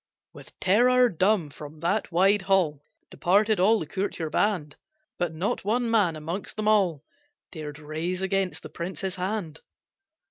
With terror dumb, from that wide hall Departed all the courtier band, But not one man amongst them all Dared raise against the prince his hand.